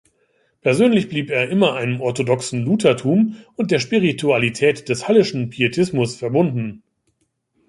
Persönlich blieb er immer einem orthodoxen Luthertum und der Spiritualität des Halleschen Pietismus verbunden.